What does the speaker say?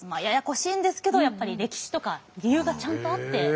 ややこしいんですけどやっぱり歴史とか理由がちゃんとあって。